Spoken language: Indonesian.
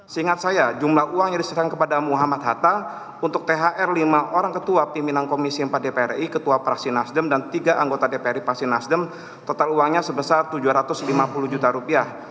seingat saya jumlah uang yang diserahkan kepada muhammad hatta untuk thr lima orang ketua pimpinan komisi empat dpr ri ketua fraksi nasdem dan tiga anggota dprd pasti nasdem total uangnya sebesar tujuh ratus lima puluh juta rupiah